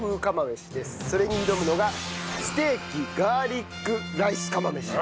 それに挑むのがステーキガーリックライス釜飯。